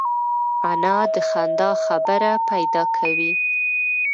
انا د خندا خبره پیدا کوي